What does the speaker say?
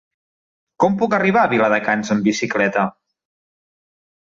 Com puc arribar a Viladecans amb bicicleta?